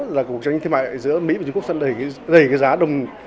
là cuộc tranh thương mại giữa mỹ và trung quốc sẽ đẩy cái giá đồng